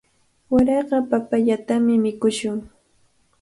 Waraqa papayatami mikushun.